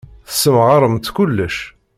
Tessemɣaremt kullec.